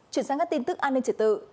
chuyển sang các tin tức an ninh triệt tự